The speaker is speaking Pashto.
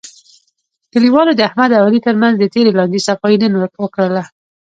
کلیوالو د احمد او علي ترمنځ د تېرې لانجې صفایی نن وکړله.